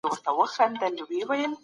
نړيوال به ورته حيران شي.